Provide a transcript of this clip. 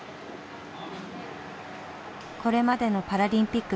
これまでのパラリンピック